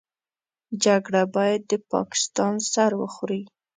جګړه بايد د پاکستان سر وخوري.